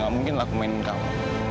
gak mungkin lah aku mainin kamu